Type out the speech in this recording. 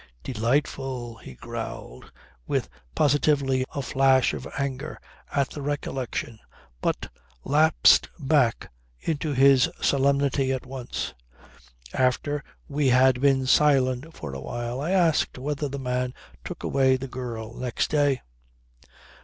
"Delightful," he growled with, positively, a flash of anger at the recollection, but lapsed back into his solemnity at once. After we had been silent for a while I asked whether the man took away the girl next day.